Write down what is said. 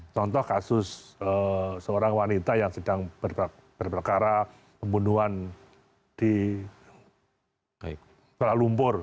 contoh kasus seorang wanita yang sedang berperkara pembunuhan di kuala lumpur